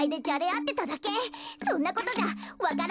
そんなことじゃわか蘭